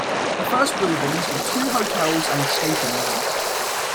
The first buildings were two hotels and a skating rink.